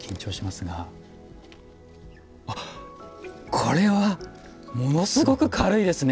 これはものすごく軽いですね。